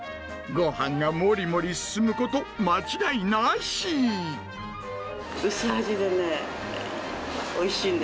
ごはんがもりもり進むこと間違いなし。